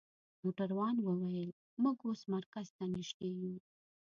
موټروان وویل: موږ اوس مرکز ته نژدې یو.